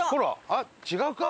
あっ違うか？